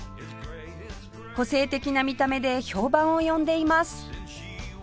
個性的な見た目で評判を呼んでいます